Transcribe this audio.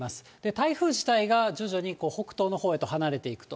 台風自体が徐々に北東のほうへと離れていくと。